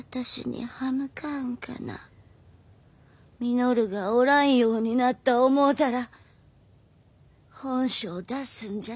稔がおらんようになった思うたら本性出すんじゃねえ。